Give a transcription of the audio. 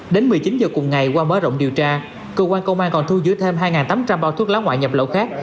đến một mươi chín h cùng ngày qua mở rộng điều tra cơ quan công an còn thu giữ thêm hai tám trăm linh bao thuốc lá ngoại nhập lậu khác